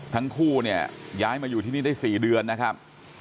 ทั้งคู่เนี่ยย้ายมาอยู่ที่นี่ได้๔เดือนนะครับ